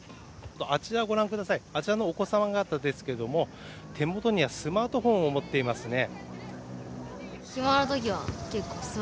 あちらご覧ください、あちらのお子さん方ですけど手元にはスマートフォンを持っていますね。